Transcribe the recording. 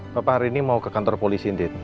bapak hari ini mau ke kantor polisi indin